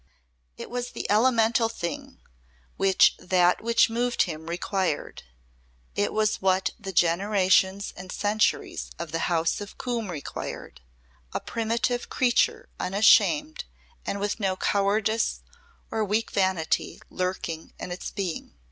It was the elemental thing which that which moved him required; it was what the generations and centuries of the house of Coombe required a primitive creature unashamed and with no cowardice or weak vanity lurking in its being.